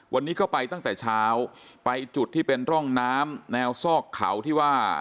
วันนี้ก็ไปตั้งแต่เช้าไปจุดที่เป็นร่องน้ำแนวซอกเขาที่ว่า